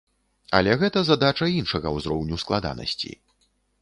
Але гэта задача іншага ўзроўню складанасці.